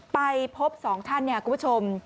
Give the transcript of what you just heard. ไปพบ๒ท่านคุณผู้ชม